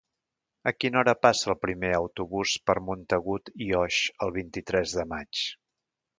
A quina hora passa el primer autobús per Montagut i Oix el vint-i-tres de maig?